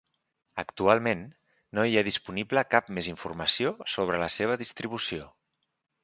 Actualment, no hi ha disponible cap més informació sobre la seva distribució.